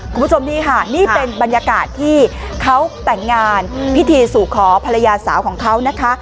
คุณผู้ชมนี่ค่ะนี่เป็นบรรยากาศที่เขาแต่งงานพิธีสู่ขอภรรยาสาวของเขานะคะ